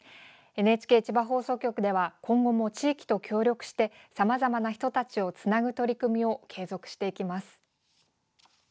ＮＨＫ千葉放送局では今後も地域と協力してさまざまな人たちをつなぐ取り組みを継続していきます。